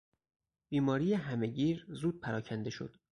بیماری همه گیر زود پراکنده شد.